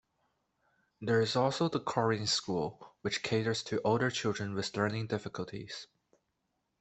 There is also the Coreen School, which caters to older children with learning difficulties.